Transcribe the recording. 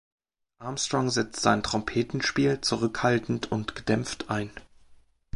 Armstrong setzte sein Trompetenspiel zurückhaltend und gedämpft ein.